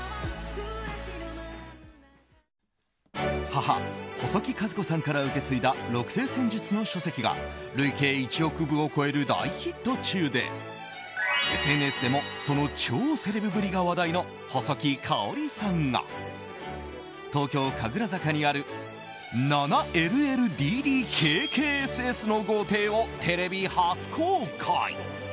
母・細木数子さんから受け継いだ六星占術の書籍が累計１億部を超える大ヒット中でＳＮＳでもその超セレブぶりが話題の細木かおりさんが東京・神楽坂にある７ＬＬＤＤＫＫＳＳの豪邸をテレビ初公開。